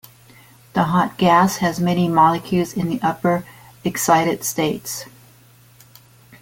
The hot gas has many molecules in the upper excited states.